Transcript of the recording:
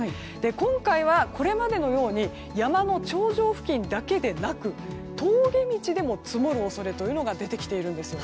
今回はこれまでのように山の頂上付近だけでなく峠道でも積もる恐れが出てきています。